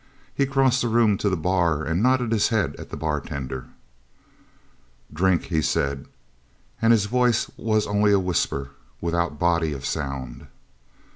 He crossed the room to the bar and nodded his head at the bartender. "Drink!" he said, and his voice was only a whisper without body of sound.